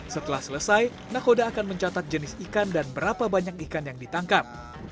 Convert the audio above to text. setelah selesai nakoda akan mencatat jenis ikan dan berapa banyak ikan yang ditangkap